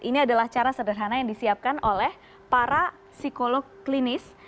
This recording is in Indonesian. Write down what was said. ini adalah cara sederhana yang disiapkan oleh para psikolog klinis